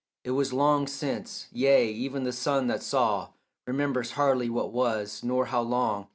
It was long since: yea, even the sun that saw Remembers hardly what was, nor how long.